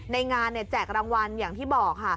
ในงานแจกรางวัลอย่างที่บอกค่ะ